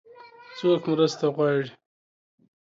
څوک مرسته غواړي؟